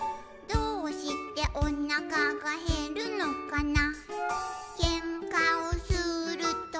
「どうしておなかがへるのかな」